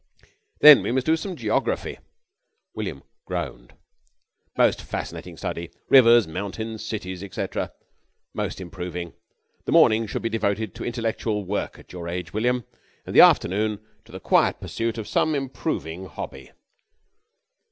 Then we must do some Geography." William groaned. "Most fascinating study. Rivers, mountains, cities, etc. Most improving. The morning should be devoted to intellectual work at your age, William, and the afternoon to the quiet pursuit of some improving hobby.